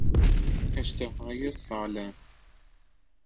اشتهای سالم